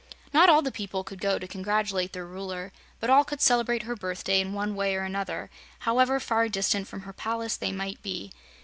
Not all the people could go to congratulate their Ruler, but all could celebrate her birthday, in one way or another, however far distant from her palace they might be.